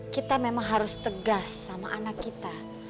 kita memang harus tegas sama anak kita